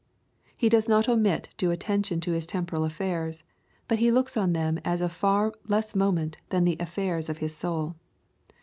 He does not omit due attention to his temporal affairs, but he looks on them as of far less moment than the af fairs of his soul.